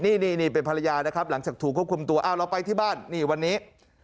นี่นี่เป็นภรรยานะครับหลังจากถูกควบคุมตัวอ้าวเราไปที่บ้านนี่วันนี้